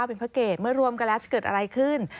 เป็นพระเกตเมื่อรวมกันแล้วจะเกิดอะไรขึ้น